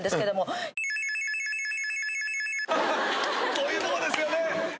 そういうものですよね！